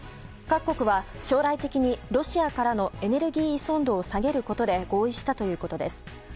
各国は、将来的にロシアからのエネルギー依存度を下げることで合意したということです。